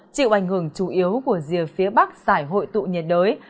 chịu ảnh hưởng chủ yếu của rìa phía bắc giải hội tụ nhiệt đới